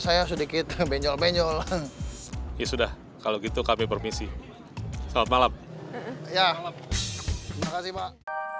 saya sedikit benjol benyol ya sudah kalau gitu kami permisi selamat malam ya makasih pak